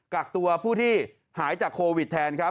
กรากตัวผู้ที่หายจากโควิดแทน